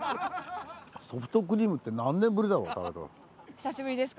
久しぶりですか。